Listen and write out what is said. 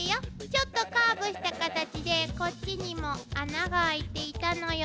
ちょっとカーブしたカタチでこっちにも穴があいていたのよ。